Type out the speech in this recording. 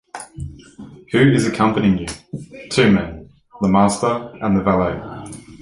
Who is accompanying you?” Two men: The master and the valet